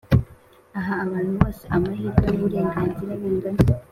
aha abantu bose amahirwe n’uburenganzira bingana